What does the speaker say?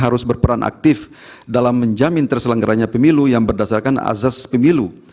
harus berperan aktif dalam menjamin terselenggaranya pemilu yang berdasarkan azas pemilu